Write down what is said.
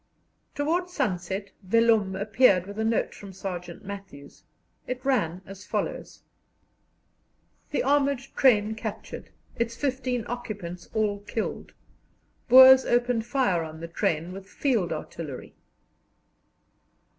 Towards sunset Vellum appeared with a note from Sergeant Matthews. It ran as follows: "The armoured train captured; its fifteen occupants all killed. Boers opened fire on the train with field artillery."